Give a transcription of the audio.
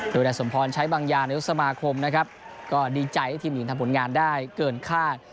โดยนายสมพรใช้บางอย่างนายกสมาคมนะครับก็ดีใจที่ทีมหญิงทำผลงานได้เกินคาด